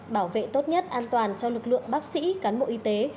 bảo vệ tốt nhất an toàn cho lực lượng bác sĩ cán bộ y tế